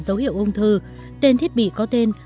dấu hiệu ung thư tên thiết bị có tên